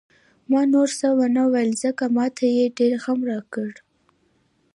ما نور څه ونه ویل، ځکه ما ته یې ډېر غم راکړ.